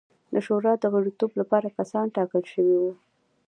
د شورا د غړیتوب لپاره کسان ټاکل شوي وو.